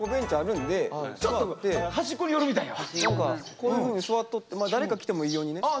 こういうふうに座っとって誰か来てもいいようにね。